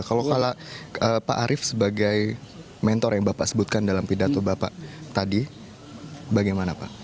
kalau pak arief sebagai mentor yang bapak sebutkan dalam pidato bapak tadi bagaimana pak